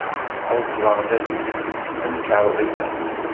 Reḍleɣ-d adlis-nni seg temkarḍit-a.